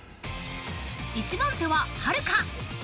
一番手ははるか。